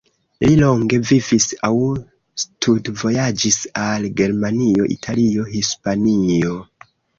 Li longe vivis aŭ studvojaĝis al Germanio, Italio, Hispanio.